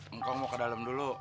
engkong mau ke dalem dulu